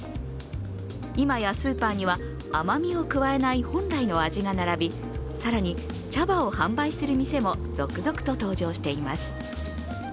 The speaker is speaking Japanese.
今やスーパーには甘みを加えない本来の味が並び、更に茶葉を販売する店も続々と登場しています。